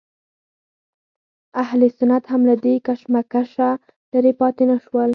اهل سنت هم له دې کشمکشه لرې پاتې نه شول.